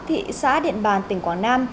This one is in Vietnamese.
thị xã điện bàn tỉnh quảng nam